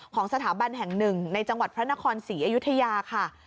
ของสถาบันแห่งหนึ่งในจังหวัดพระนครศรีอยุธยาค่ะ